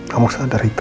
kamu sadar itu